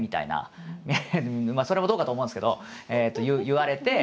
まあそれもどうかと思うんですけど言われて。